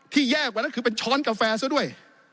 แยกวันนั้นคือเป็นช้อนกาแฟซะด้วย